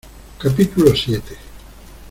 capítulo siete.